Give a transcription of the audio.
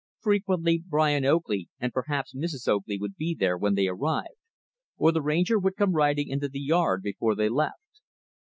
Frequently, Brian Oakley and perhaps Mrs. Oakley would be there when they arrived; or the Ranger would come riding into the yard before they left.